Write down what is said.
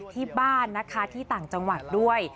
ที่บ้านนะคะที่ต่างจังหวัดด้วย